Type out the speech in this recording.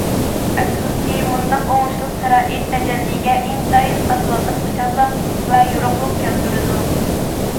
ئەپسۇسكى، مۇنداق ئوڭۇشلۇق شارائىت تەجەللىگە ئىنتايىن ئاز ۋاقىت خۇشاللىق ۋە يورۇقلۇق كەلتۈرىدۇ.